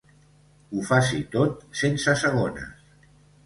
Ho faci tot sense segones.